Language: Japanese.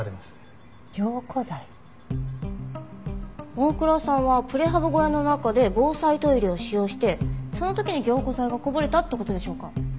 大倉さんはプレハブ小屋の中で防災トイレを使用してその時に凝固剤がこぼれたって事でしょうか？